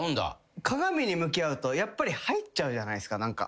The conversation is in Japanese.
鏡に向き合うとやっぱり入っちゃうじゃないすか。